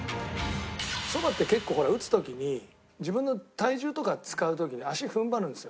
そばって結構ほら打つ時に自分の体重とか使う時に足踏ん張るんですよ。